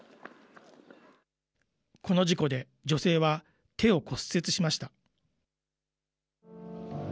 この事故で女性は手を骨折しました。